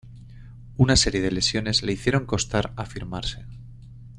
Una serie de lesiones le hicieron costar afirmarse.